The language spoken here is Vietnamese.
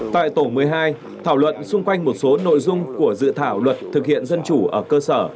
tại tổ một mươi hai thảo luận xung quanh một số nội dung của dự thảo luật thực hiện dân chủ ở cơ sở